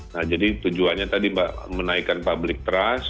nah jadi tujuannya tadi mbak menaikkan public trust